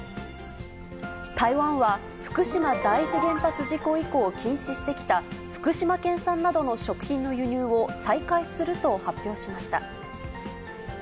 台湾は、福島第一原発事故以降、禁止してきた福島県産などの食品の輸入を再開すると発表しました。